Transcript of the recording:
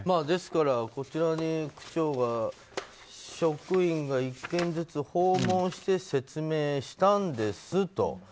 ですから、こちらに区長が職員が１軒ずつ訪問して説明したんですと。